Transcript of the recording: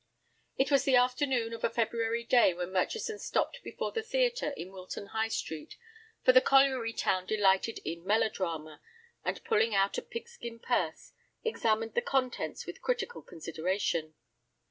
It was the afternoon of a February day when Murchison stopped before the theatre in Wilton High Street, for the colliery town delighted in melodrama, and pulling out a pigskin purse, examined the contents with critical consideration.